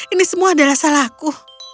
ini semua adalah salahku